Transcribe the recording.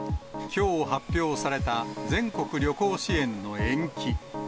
きょう発表された、全国旅行支援の延期。